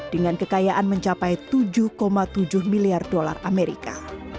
dengan kekayaan mencapai tujuh tujuh miliar dolar amerika